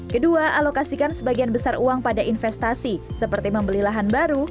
kedua alokasikan sebagian besar uang pada investasi seperti membeli lahan baru